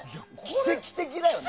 奇跡的だよね。